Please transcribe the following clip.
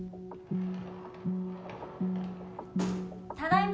ただいま。